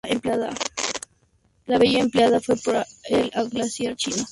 La vía empleada fue por el glaciar Chico.